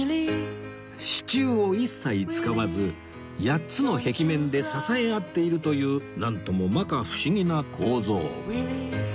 支柱を一切使わず８つの壁面で支え合っているというなんとも摩訶不思議な構造